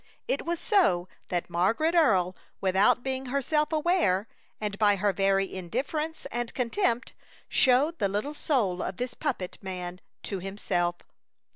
It was so that Margaret Earle, without being herself aware, and by her very indifference and contempt, showed the little soul of this puppet man to himself.